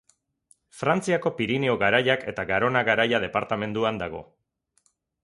Frantziako Pirinio Garaiak eta Garona Garaia departamenduan dago.